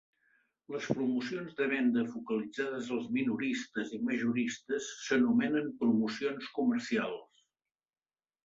Les promocions de venda focalitzades als minoristes y majoristes s'anomenen promocions comercials.